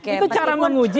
itu cara menguji